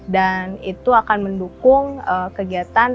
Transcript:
dan itu akan mendukung kegiatan